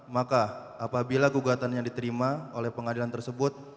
maka apabila gugatannya diterima oleh pengadilan tersebut